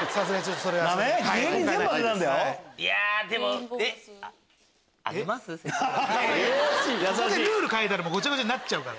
ここでルール変えたらごちゃごちゃになっちゃうから。